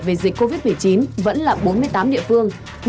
về dịch covid một mươi chín vẫn là bốn mươi tám địa phương